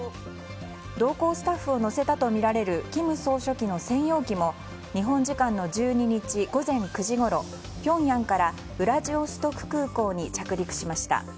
同行スタッフを乗せたとみられる金総書記の専用機も日本時間の１２日午前９時ごろピョンヤンからウラジオストク空港に着陸しました。